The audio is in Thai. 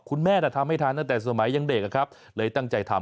คุณแม่ทำให้ทานตั้งแต่สมัยยังเด็กเลยตั้งใจทำ